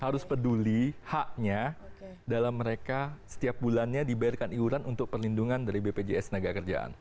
harus peduli haknya dalam mereka setiap bulannya dibayarkan iuran untuk perlindungan dari bpjs tenaga kerjaan